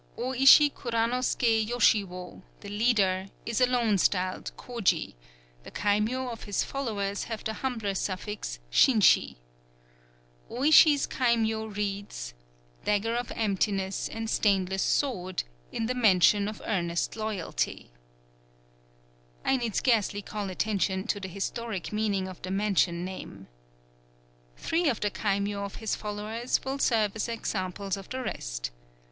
Ōïshi Kuranosuké Yoshiwo, the leader, is alone styled Koji; the kaimyō of his followers have the humbler suffix Shinshi. Ōïshi's kaimyō reads: "Dagger of Emptiness and stainless Sword, in the Mansion of Earnest Loyalty." I need scarcely call attention to the historic meaning of the mansion name. Three of the kaimyō of his followers will serve as examples of the rest.